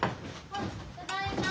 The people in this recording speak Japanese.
・ただいま。